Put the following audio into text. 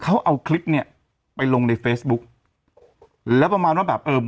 เขาเอาคลิปเนี้ยไปลงในเฟซบุ๊กแล้วประมาณว่าแบบเออ